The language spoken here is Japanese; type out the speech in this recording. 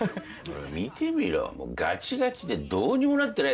見てみろガチガチでどうにもなってないだろ。